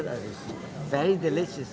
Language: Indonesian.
dia suka sangat enak